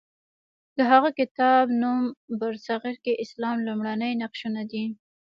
د هغه کتاب نوم برصغیر کې اسلام لومړني نقشونه دی.